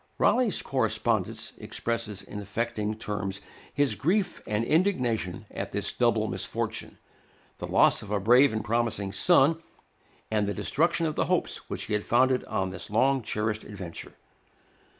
Raleigh's correspondence expresses in affecting terms his grief and indignation at this double misfortune: the loss of a brave and promising son, and the destruction of the hopes which he had founded on this long cherished adventure.